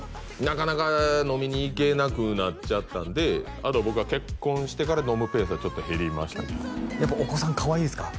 なかなか飲みに行けなくなっちゃったんであと僕が結婚してから飲むペースは減りましたけどやっぱお子さんかわいいですか？